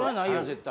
絶対。